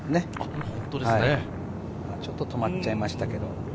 ちょっと止まっちゃいましたけど。